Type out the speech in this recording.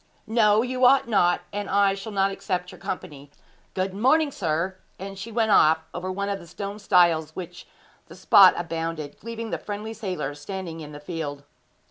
'No, you ought not; and I shall not accept your company. Good morning, sir!' And she went off over one of the stone stiles with which the spot abounded, leaving the friendly sailor standing in the field.